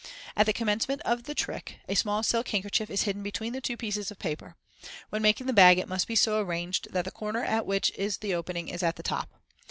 At the commencement of the trick a small silk handkerchief is hidden between the two pieces of paper, When making the bag it must be so arranged that the corner at which is the opening is at the top.